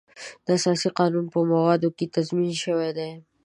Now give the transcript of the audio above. د اساسي قانون په موادو کې تضمین شوی دی.